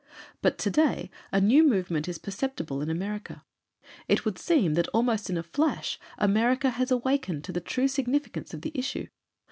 But today, a new movement is perceptible in America. It would seem that, almost in a flash, America has awakened to the true significance of the issue.